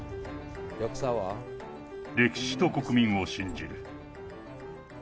歴史と国民を信じる。